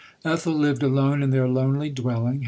Ethel lived alone in their lonely dwelling.